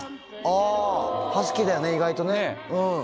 ああ、ハスキーだよね、意外とね。